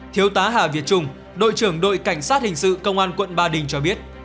thiếu tá hà việt trung đội trưởng đội cảnh sát hình sự công an quận ba đình cho biết